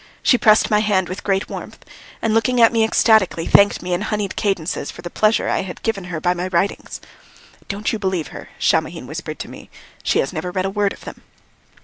She pressed my hand with great warmth, and looking at me ecstatically, thanked me in honeyed cadences for the pleasure I had given her by my writings. "Don't you believe her," Shamohin whispered to me, "she has never read a word of them."